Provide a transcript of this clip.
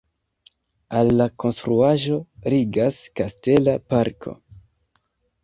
Al la konstruaĵo ligas kastela parko.